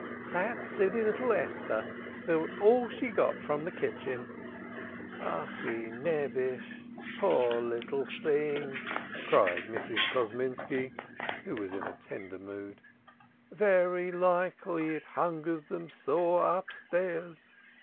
That silly little Esther spilt all she got from the kitchen." "Achi nebbich, poor little thing," cried Mrs. Kosminski, who was in a tender mood, "very likely it hungers them sore upstairs.